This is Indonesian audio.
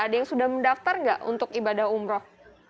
ada yang sudah mendaftar nggak untuk ibadah umroh